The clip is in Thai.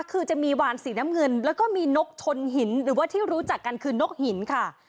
คือจะมีวานสีน้ำเงินแล้วก็มีนกชนหินหรือว่าที่รู้จักกันคือนกหินค่ะ